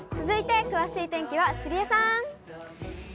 続いて詳しい天気は、杉江さん。